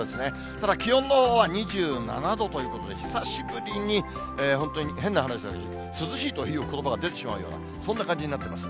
ただ、気温のほうは２７度ということで、久しぶりに本当に変な話だけど、涼しいということばが出てしまうような、そんな感じになってます。